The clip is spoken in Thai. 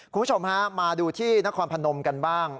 คุณผู้ชมฮะมาดูที่นครพนมกันบ้าง